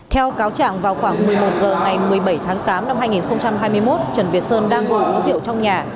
theo cáo trạng vào khoảng một mươi một h ngày một mươi bảy tháng tám năm hai nghìn hai mươi một trần việt sơn đang ngồi uống rượu trong nhà